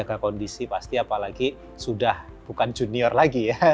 jaga kondisi pasti apalagi sudah bukan junior lagi ya